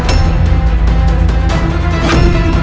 apa maksudmu raden